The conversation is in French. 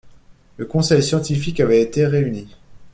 Le conseil scientifique avait été réuni.